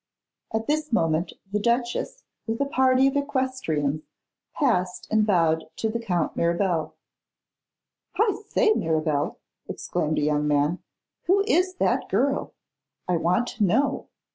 At this moment, the duchess, with a party of equestrians, passed and bowed to the Count Mirabel. 'I say, Mirabel,' exclaimed a young man, 'who is that girl? I want to know.